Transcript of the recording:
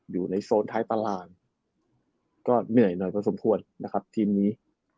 อยู่ในโซนไทรตลานก็เหนื่อยหน่อยกว่าสมควรนะครับทีมนี้